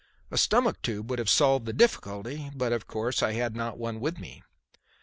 A stomach tube would have solved the difficulty, but, of course, I had not one with me.